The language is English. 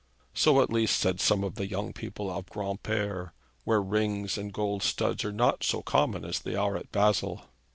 So at least said some of the young people of Granpere, where rings and gold studs are not so common as they are at Basle.